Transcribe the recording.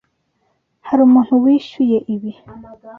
Hari umuntu wishyuye ibi?